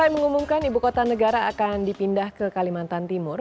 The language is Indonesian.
mengumumkan ibu kota negara akan dipindah ke kalimantan timur